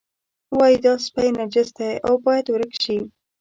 وایي دا سپی نجس دی او باید ورک شي.